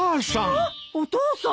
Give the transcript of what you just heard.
あっお父さん！